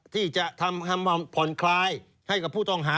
ที่จะทำผ่อนคลายให้กับผู้ต้องหา